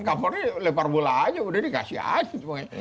kapolri lebar bola aja udah dikasih aja